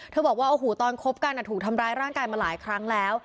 บอกว่าโอ้โหตอนคบกันถูกทำร้ายร่างกายมาหลายครั้งแล้ว